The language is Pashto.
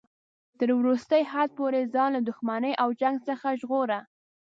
تر وروستي حد پورې ځان له دښمنۍ او جنګ څخه ژغوره.